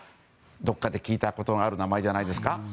どっかで聞いたことのある名前じゃないですか？